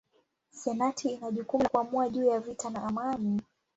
Senati ina jukumu la kuamua juu ya vita na amani.